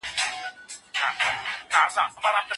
اقتصاد د هیواد لپاره ډېر اړین دی.